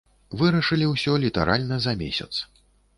Вырашылі ўсё літаральна за месяц.